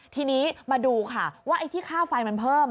ทีนี้มาดูค่ะว่าไอ้ที่ค่าไฟมันเพิ่ม